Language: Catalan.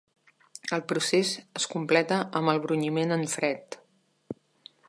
El procés es completa amb el brunyiment en fred.